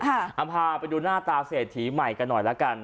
เอาพาไปดูหน้าตาเศรษฐีใหม่กันหน่อยละกัน